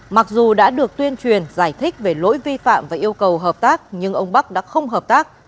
mặc dù đã được tuyên truyền giải thích về lỗi vi phạm và yêu cầu hợp tác nhưng ông bắc đã không hợp tác